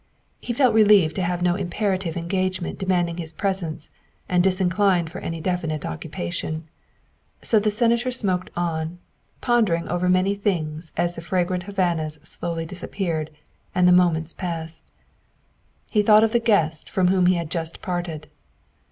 He felt relieved to have no imperative engagement demanding his presence and disinclined for any definite occupation. So the Senator smoked on, pondering over many things as the fragrant Havanas slowly disap peared and the moments passed. He thought of the guest from whom he had just parted.